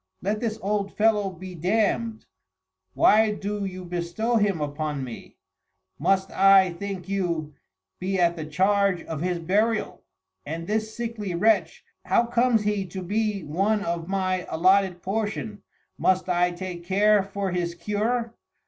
Let this old Fellow be Damm'd, why do you bestow him upon me; must I, think you; be at the charge of his Burial? And this sickly Wretch, how comes he to be one of my alloted portion must I take care for his cure?